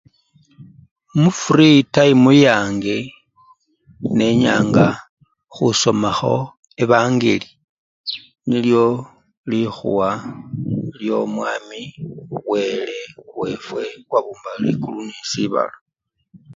Mufri tayimu yange, nenyanga khusomakho ebangeli, nilyo likhuwa lyomwami wele wefwe owabumba likulu nesibala.